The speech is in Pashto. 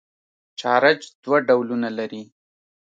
چارج دوه ډولونه لري.